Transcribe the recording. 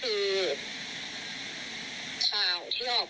หนูเป็นคนสร้างเรื่องเอง